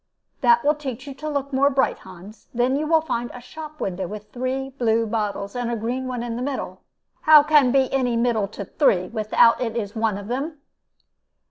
"That will teach you to look more bright, Hans. Then you find a shop window with three blue bottles, and a green one in the middle." "How can be any middle to three, without it is one of them?"